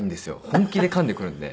本気で噛んでくるんで。